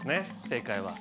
正解は。